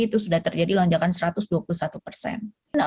itu sudah terjadi lonjakan satu ratus dua puluh satu persen